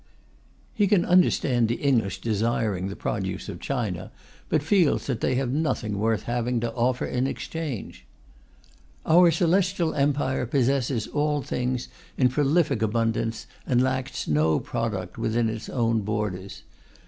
He can understand the English desiring the produce of China, but feels that they have nothing worth having to offer in exchange: "Our Celestial Empire possesses all things in prolific abundance and lacks no product within its own borders.